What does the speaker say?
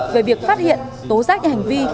về việc phát hiện tố rác hành vi